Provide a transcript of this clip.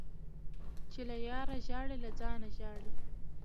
- چي له یاره ژاړي له ځانه ژاړي.